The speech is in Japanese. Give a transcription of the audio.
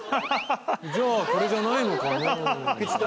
「じゃあこれじゃないのかな」